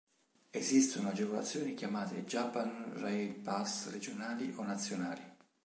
Esistono agevolazioni chiamate Japan Rail Pass regionali o nazionali.